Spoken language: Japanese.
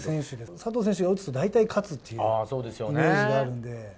佐藤選手が打つと大体勝つっていうイメージがあるんで。